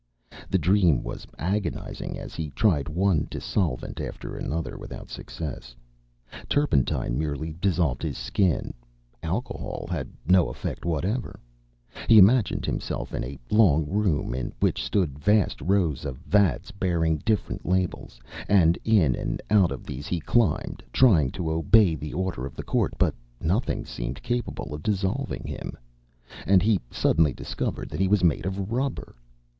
The dream was agonizing as he tried one dissolvent after another without success. Turpentine merely dissolved his skin; alcohol had no effect whatever. He imagined himself in a long room in which stood vast rows of vats bearing different labels, and in and out of these he climbed, trying to obey the order of the court, but nothing seemed capable of dissolving him, and he suddenly discovered that he was made of rubber.